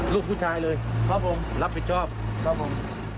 ลูกผู้ชายเลยรับผิดชอบครับผม